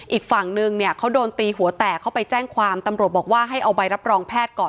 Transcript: อีกฝั่งนึงเนี่ยเขาโดนตีหัวแตกเขาไปแจ้งความตำรวจบอกว่าให้เอาใบรับรองแพทย์ก่อน